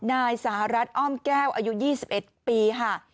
นายสหรัฐอ้อมแก้วอายุ๒๑ปีค่ะ